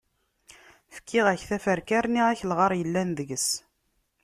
Fkiɣ-ak taferka rniɣ-ak lɣar yellan deg-s.